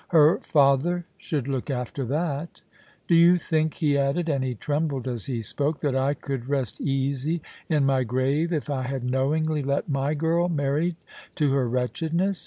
Her father should look after that Do you think,' he added, and he trembled as he spoke, * that I could rest easy in my grave if I had knowingly let my girl marry to her wretchedness